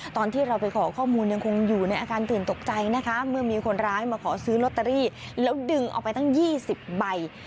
ตอนที่เราไปขอข้อมูลยังคงอยู่ในอาการตื่นตกใจนะคะเมื่อมีคนร้ายมาขอซื้อลอตเตอรี่แล้วดึงเอาไปตั้ง๒๐ใบ